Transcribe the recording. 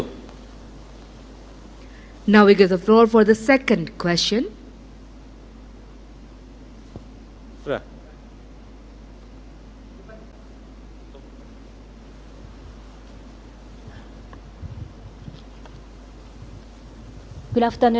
sekarang kita akan menyebut pertanyaan kedua